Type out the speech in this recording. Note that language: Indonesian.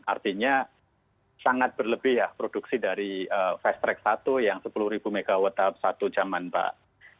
artinya sangat berlebih ya produksi dari fast track satu yang sepuluh ribu megawatt satu jaman mbak